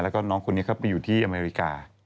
แล้วก็น้องคนนี้เข้าไปอยู่ที่อเมริกา